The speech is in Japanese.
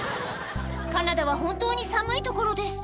カナダは本当に寒いところです